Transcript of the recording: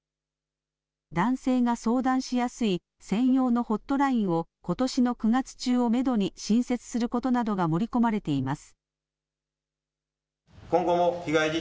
男性が相談しやすい専用のホットラインを、ことしの９月中をメドに新設することなどが盛り込まれています。